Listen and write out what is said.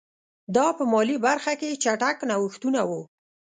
دا په مالي برخه کې چټک نوښتونه وو